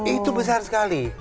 itu besar sekali